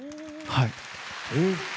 はい。